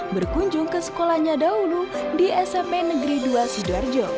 berkunjung ke sekolahnya dahulu di smp negeri dua sidoarjo